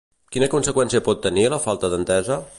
Quina conseqüència pot tenir la falta d'entesa?